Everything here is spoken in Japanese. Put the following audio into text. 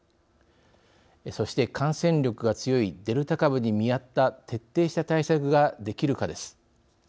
そして、感染力が強いデルタ株に見合った徹底した対策ができるかです。